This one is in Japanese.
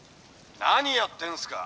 「何やってんすか？」。